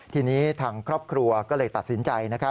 ทีนี้ทางครอบครัวก็เลยตัดสินใจ